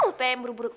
oh pengen buru buru